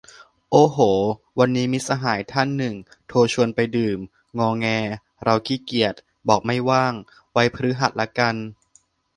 โอ้โห วันนี้มิตรสหายท่านหนึ่งโทรชวนไปดื่ม งอแง เราขี้เกียจ บอกไม่ว่าง ไว้พฤหัสละกัน